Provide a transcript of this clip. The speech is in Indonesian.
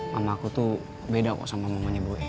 mama aku tuh beda kok sama mamanya boy